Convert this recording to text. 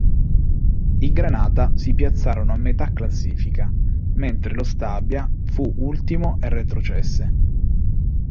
I granata si piazzarono a metà classifica, mentre lo Stabia fu ultimo e retrocesse.